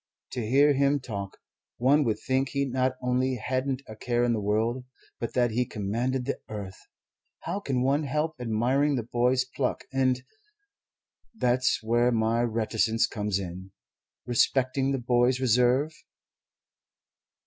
To hear him talk, one would think he not only hadn't a care in the world, but that he commanded the earth. How can one help admiring the boy's pluck and that's where my reticence comes in respecting the boy's reserve?"